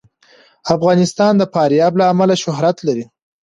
افغانستان د فاریاب له امله شهرت لري.